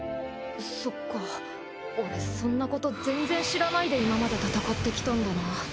そっか俺そんなこと全然知らないで今まで戦ってきたんだな。